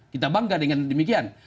kita bangga dengan demikian